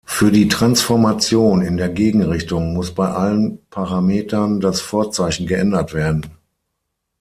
Für die Transformation in der Gegenrichtung muss bei allen Parametern das Vorzeichen geändert werden.